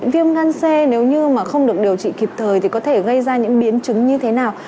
viêm gan c nếu như mà không được điều trị kịp thời thì có thể gây ra những biến chứng như thế nào